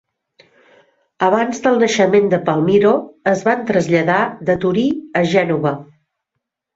Abans del naixement de Palmiro es van traslladar de Torí a Gènova.